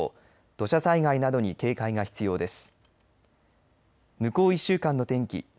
土砂災害などに警戒が必要です。